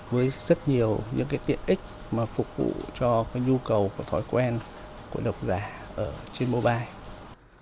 với rất nhiều tiện ích phục vụ cho nhu cầu và thói quen của độc giả trên mobile